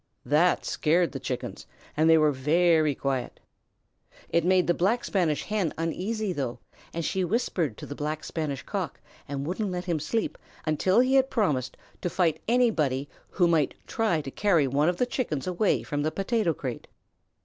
That scared the Chickens and they were very quiet. It made the Black Spanish Hen uneasy though, and she whispered to the Black Spanish Cock and wouldn't let him sleep until he had promised to fight anybody who might try to carry one of the Chickens away from the potato crate.